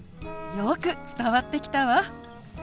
よく伝わってきたわ。